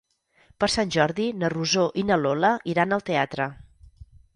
Per Sant Jordi na Rosó i na Lola iran al teatre.